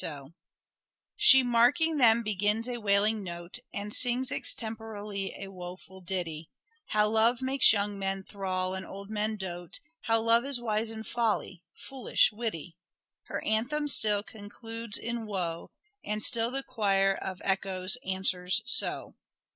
LYRIC POETRY OF EDWARD DE VERE 199 " She marking them begins a wailing note, And sings extemporally a woeful ditty; How love makes young men thrall and old men dote, How love is wise in folly, foolish witty : Her heavy anthem still concludes in 'Woe.' And still the choir of echoes answers ' So.'